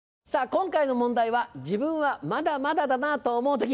今回の問題は「自分はまだまだだなぁと思う時」。